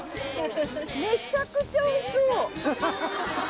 めちゃくちゃおいしそう！